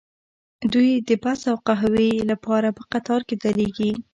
دوی د بس او قهوې لپاره په قطار کې دریږي